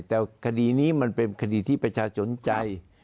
แต่คดีนี้มันเป็นคดีที่ประชาชนสนใจ